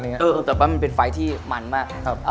แต่ว่ามันเป็นไฟล์ที่มันมาก